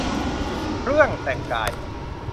เครื่องแต่งกาย